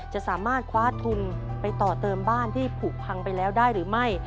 จะสามารถคว้าทุนไปต่อเติมบ้านที่ผูกพังไปแล้วได้หรือไม่